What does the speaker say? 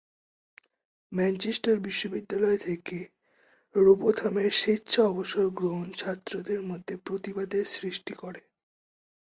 Manchester বিশ্ববিদ্যালয় থেকে রোবোথামের স্বেচ্ছা অবসর গ্রহণ ছাত্রদের মধ্যে প্রতিবাদের সৃষ্টি করে।